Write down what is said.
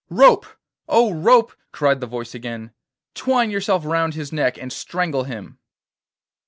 'Rope, O rope!' cried the voice again, 'twine yourself round his neck and strangle him.